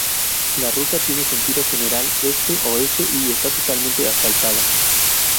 La ruta tiene sentido general este-oeste y está totalmente asfaltada.